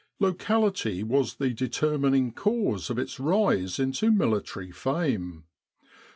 < Locality was the determining cause of its rise into military fame.